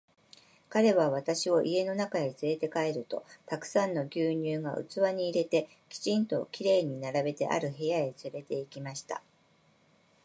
彼は私を家の中へつれて帰ると、たくさんの牛乳が器に入れて、きちんと綺麗に並べてある部屋へつれて行きました。